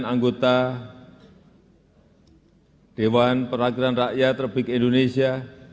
sembilan anggota dewan perwakilan rakyat republik indonesia